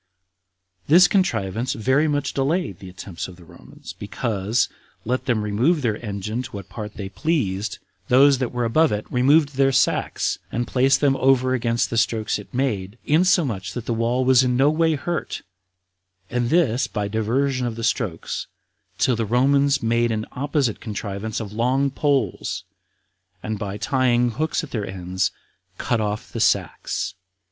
This contrivance very much delayed the attempts of the Romans, because, let them remove their engine to what part they pleased, those that were above it removed their sacks, and placed them over against the strokes it made, insomuch that the wall was no way hurt, and this by diversion of the strokes, till the Romans made an opposite contrivance of long poles, and by tying hooks at their ends, cut off the sacks.